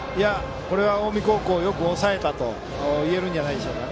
これは近江高校よく抑えたといえるんじゃないでしょうか。